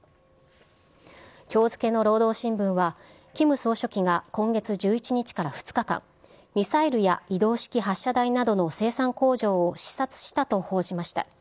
きょう付けの労働新聞は、キム総書記が今月１１日から２日間、ミサイルや移動式発射台などの生産工場を視察したと報じました。